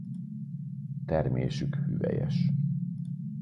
Termésük hüvelyes.